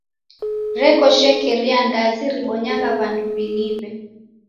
Reko shekeria ndazi ribonyagha w'andu w'iliw'e.